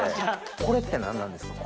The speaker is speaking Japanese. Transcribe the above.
これって何なんですか？